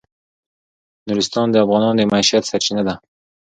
نورستان د افغانانو د معیشت سرچینه ده.